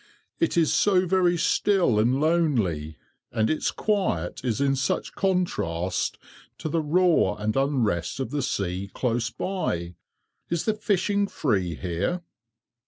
"It is so very still and lonely, and its quiet is in such contrast to the roar and unrest of the sea close by. Is the fishing free here?"